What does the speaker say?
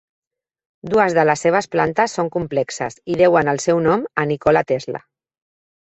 Dues de les seves plantes són complexes i deuen el seu nom a Nikola Tesla.